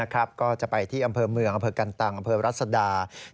ก็จะไปที่อำเมืองเอาเปอกันตังและอำเมื่อกับรัศนาศิลป์